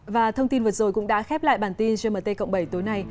và thông tin vừa rồi cũng đã khép lại bản tin gmt cộng bảy tối nay